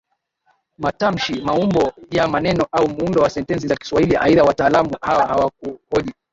matamshi maumbo ya maneno au muundo wa sentensi za Kiswahili aidha wataalamu hawa hawakuhoji